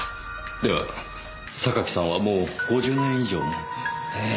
では榊さんはもう５０年以上も？ええ。